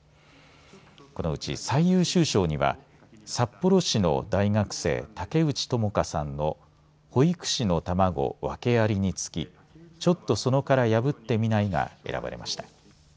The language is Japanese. このうち最優秀賞には札幌市の大学生、竹内智香さんの保育士の卵、ワケありにつきちょっとそのカラ破ってみない？が選ばれました。